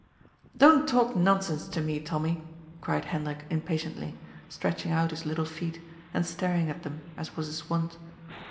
" Don't talk nonsense to me, Tommy !" cried Hendrik impatiently, stretching out his little feet and staring at them, as was his wont.